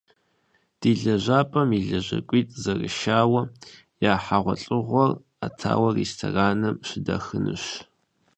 Ди лэжьапӏэм и лэжьакӏуитӏ зэрышауэ, я хьэгъуэлӏыгъуэр ӏэтауэ рестораным щыдахынущ.